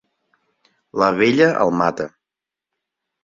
La vella el mata.